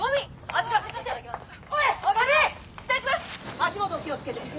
足元お気をつけて。